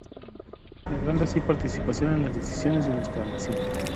Logrando así participación en las decisiones de nuestra Nación".